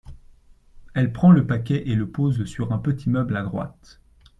Elle prend le paquet et le pose sur un petit meuble à droite.